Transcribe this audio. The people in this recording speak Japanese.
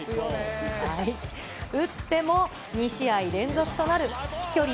打っても２試合連続となる飛距離